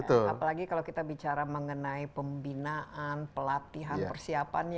apalagi kalau kita bicara mengenai pembinaan pelatihan persiapannya